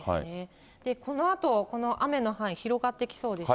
このあと、この雨の範囲広がってきそうでして。